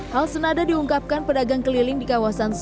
hal senada diungkapkan pedagang keliling di kawasan